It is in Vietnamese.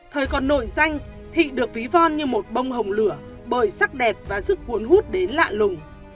thời còn nổi danh thị được ví von như một bông hồng lửa bởi sắc đẹp và sức cuốn hút đến lạ lùng